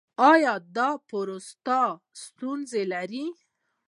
ایا د پروستات ستونزه لرئ؟